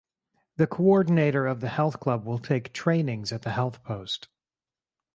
The coordinator of the health club will take trainings at the health post.